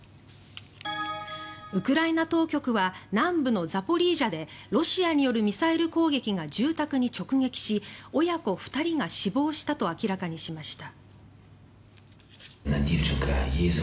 ウクライナ当局は南部のザポリージャでロシアによるミサイル攻撃が住宅に直撃し親子２人が死亡したと明らかにしました。